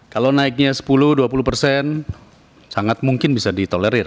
kalau naiknya sepuluh dua puluh persen sangat mungkin bisa ditolerir